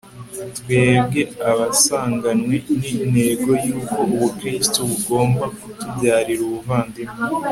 twebwe abasanganwe intego y'uko ubukristu bugomba kutubyarira ubuvandimwe